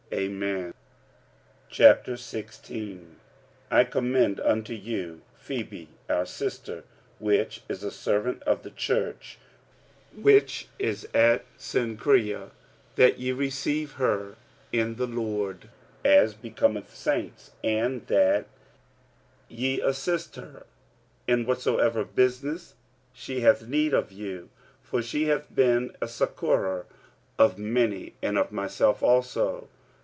Amen. 45:016:001 I commend unto you Phebe our sister, which is a servant of the church which is at Cenchrea: 45:016:002 That ye receive her in the Lord, as becometh saints, and that ye assist her in whatsoever business she hath need of you: for she hath been a succourer of many, and of myself also.